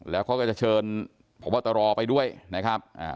แล้วเขาก็จะเชิญพบตรไปด้วยนะครับ